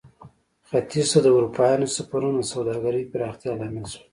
ختیځ ته د اروپایانو سفرونه د سوداګرۍ پراختیا لامل شول.